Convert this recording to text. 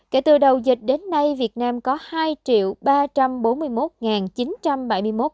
kể từ đầu dịch đến nay việt nam có hai ca mắc covid một mươi chín